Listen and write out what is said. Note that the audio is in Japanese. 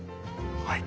はい。